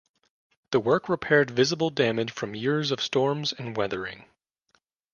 The work repaired visible damage from years of storms and weathering.